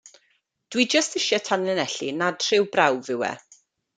Dwi jyst isie tanlinellu nad rhyw brawf yw e.